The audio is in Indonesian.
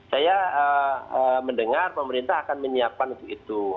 saya mendengar pemerintah akan menyiapkan untuk itu